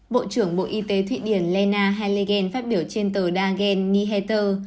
bộ trưởng bộ y tế thụy điển lena heiligen phát biểu trên tờ dagen nyheter